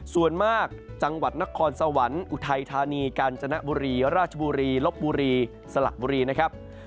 ส่วนมากจังหวัดนครสวรรค์อุทัยธานีกาญจนบุรีราชบุรีลบบุรีสละบุรีนะครับ